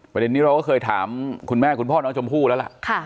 ประเด็นนี้เราก็เคยถามคุณแม่คุณพ่อน้องชมพู่แล้วล่ะ